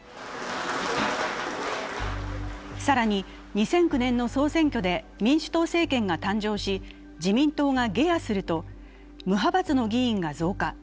更に２００９年の総選挙で民主党政権が誕生し、自民党が下野すると、無派閥の議員が増加。